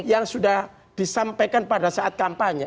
yang sudah disampaikan pada saat kampanye